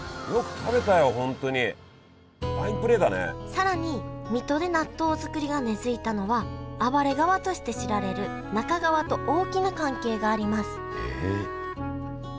更に水戸で納豆作りが根づいたのは暴れ川として知られる那珂川と大きな関係がありますへえ。